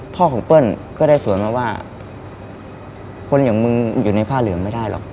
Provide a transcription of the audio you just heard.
พ่อของเปิ้ลก็ได้สวนมาว่าคนอย่างมึงอยู่ในผ้าเหลืองไม่ได้หรอก